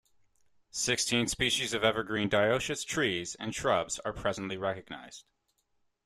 Sixteen species of evergreen dioecious trees and shrubs are presently recognized.